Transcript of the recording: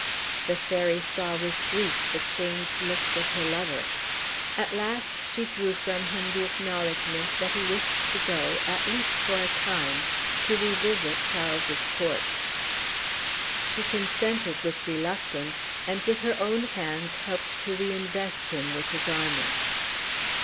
The fairy saw with grief the changed looks of her lover. At last she drew from him the acknowledgment that he wished to go, at least for a time, to revisit Charles's court. She consented with reluctance, and with her own hands helped to reinvest him with his armor.